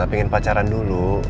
pingin pacaran dulu